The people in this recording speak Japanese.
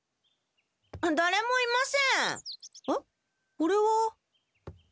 これは。